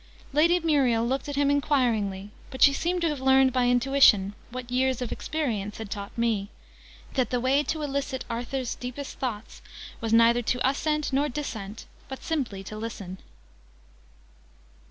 Lady Muriel looked at him enquiringly, but she seemed to have learned by intuition, what years of experience had taught me, that the way to elicit Arthur's deepest thoughts was neither to assent nor dissent, but simply to listen.